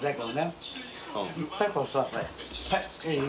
はい？